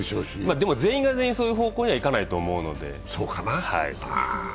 でも全員が全員、そういう方向には行かないと思うので。